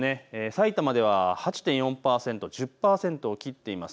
さいたまでは８．４％、１０％を切っています。